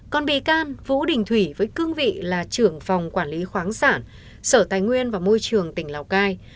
còn bị can vũ đình thủy với cương vị là trưởng phòng quản lý khoáng sản sở tài nguyên và môi trường tỉnh lào cai